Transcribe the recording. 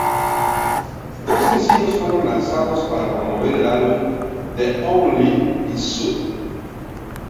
Dos sencillos fueron lanzados para promover el álbum, ""The Only"" y ""So"".